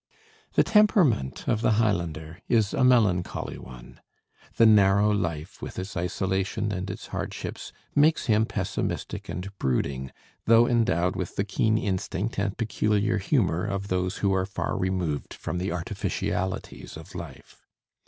The temperament of the Highlander is a melancholy one. The narrow life, with its isolation and its hardships, makes him pessimistic and brooding, though endowed with the keen instinct and peculiar humor of those who are far removed from the artificialities of life.